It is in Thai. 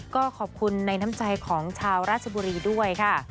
ก็ขอบคุณในน้ำใจของชาวราชบุรีด้วยค่ะ